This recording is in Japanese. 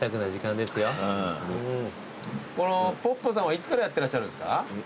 このぽっぽさんはいつからやってらっしゃるんですか？